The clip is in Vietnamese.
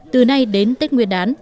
từ nay đến tết nguyên đán